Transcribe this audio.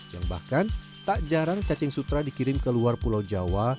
yang bahkan tak jarang cacing sutra dikirim ke luar pulau jawa